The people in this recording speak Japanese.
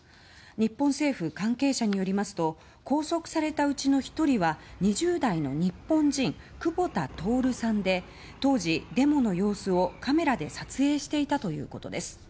日本政府関係者によりますと拘束されたうちの１人は２０代の日本人クボタ・トオルさんで当時デモの様子をカメラで撮影していたということです。